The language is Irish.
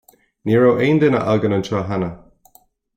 Ní raibh aon duine againn anseo cheana.